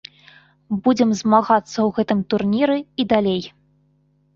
Будзем змагацца ў гэтым турніры і далей.